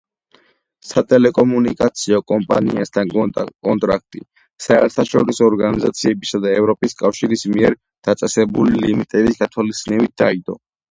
სატელეკომუნიკაციო კომპანიასთან კონტრაქტი, საერთაშორისო ორგანიზაციებისა და ევროპის კავშირის მიერ დაწესებული ლიმიტების გათვალისწინებით დაიდო.